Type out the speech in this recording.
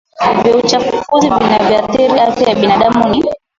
vya uchafuzi vinavyoathiri afya ya binadamu ni